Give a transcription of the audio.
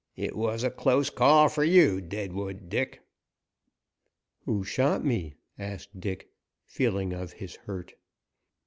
"It was a close call for you, Deadwood Dick." "Who shot me?" asked Dick, feeling of his hurt.